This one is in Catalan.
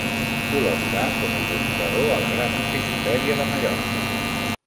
Col·laborà com a il·lustrador a la Gran Enciclopèdia de Mallorca.